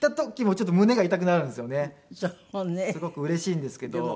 すごくうれしいんですけど。